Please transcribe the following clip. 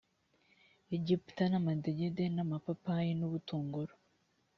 egiputa n amadegede n amapapayi n ubutunguru